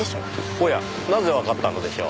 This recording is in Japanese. おやなぜわかったのでしょう？